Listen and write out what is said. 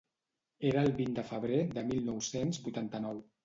Era el vint de febrer de mil nou-cents vuitanta-nou.